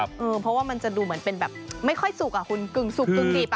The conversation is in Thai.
เพราะว่ามันจะดูเหมือนเป็นแบบไม่ค่อยสุกอ่ะคุณกึ่งสุกกึ่งดิบ